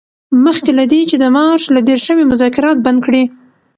مخکې له دې چې د مارچ له دیرشمې مذاکرات بند کړي.